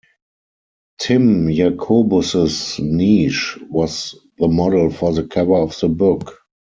Tim Jacobus's niece was the model for the cover of the book.